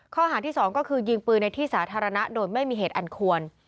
ข้อหาที่๒ก็คือยิงปืนในที่สาธารณะโดยไม่มีเหตุอันควร